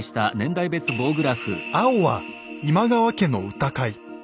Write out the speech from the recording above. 青は今川家の歌会。